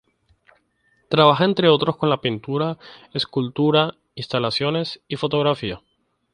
Trabaja entre otros con la pintura, escultura, instalaciones, y fotografía.